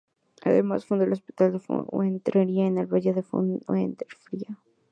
Además, fundó el Hospital de Fuenfría, en el valle de la Fuenfría.